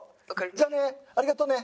じゃあねありがとうね。